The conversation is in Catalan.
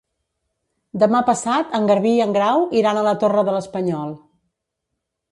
Demà passat en Garbí i en Grau iran a la Torre de l'Espanyol.